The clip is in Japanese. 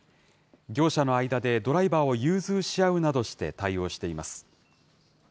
業者の間でドライバーを融通し合うなどして対応しています。